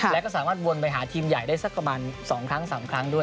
แล้วก็สามารถวนไปหาทีมใหญ่ได้สักประมาณ๒ครั้ง๓ครั้งด้วย